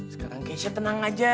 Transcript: sekarang keisha tenang aja